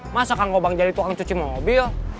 masa kang gopang jadi tukang cuci mobil